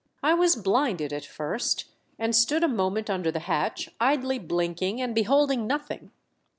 I was blinded at first, and stood a moment under the hatch idly blinking and beholding nothing.